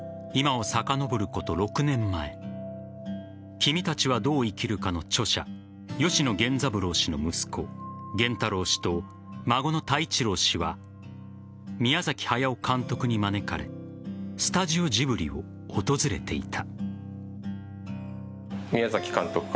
「君たちはどう生きるか」の著者吉野源三郎氏の息子源太郎氏と孫の太一郎氏は宮崎駿監督に招かれスタジオジブリを訪れていた。